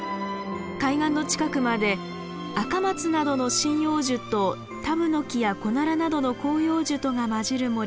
海岸の近くまでアカマツなどの針葉樹とタブノキやコナラなどの広葉樹とが交じる